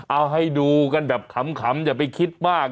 เอาให้ดูกันแบบขำอย่าไปคิดมาก